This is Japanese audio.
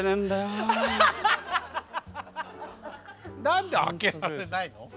何で開けられないの？